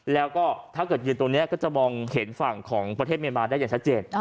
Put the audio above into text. แล้วก็ถ้าเกิดยืนตรงนี้ก็จะมองเห็นฝั่งของประเทศเมียมาได้อย่างชัดเจน